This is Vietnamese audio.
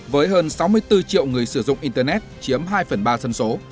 với hơn sáu mươi bốn triệu người sử dụng internet chiếm hai phần ba dân số